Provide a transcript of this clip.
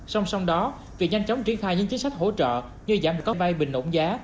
song song đó việc nhanh chóng triển khai những chính sách hỗ trợ như giảm có bay bình ổn giá